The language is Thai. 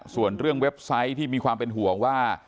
ส่วนเรื่องเว็บไซต์ที่มีความเป็นห่วงว่า